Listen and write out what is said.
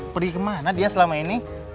pergi kemana dia selama ini